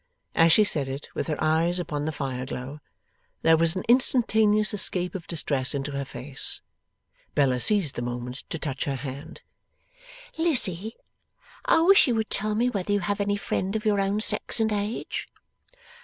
As she said it, with her eyes upon the fire glow, there was an instantaneous escape of distress into her face. Bella seized the moment to touch her hand. 'Lizzie, I wish you would tell me whether you have any friend of your own sex and age.